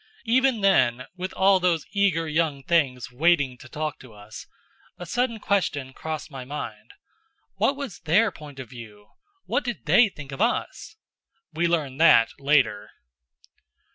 Even then, with all those eager young things waiting to talk to us, a sudden question crossed my mind: "What was their point of view? What did they think of us?" We learned that later.